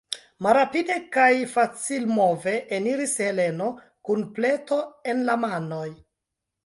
Malrapide kaj facilmove eniris Heleno kun pleto en la manoj.